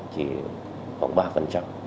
chỉ khoảng ba phần trọng